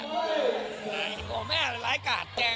ตัวแม่มันไหล้กาจแจง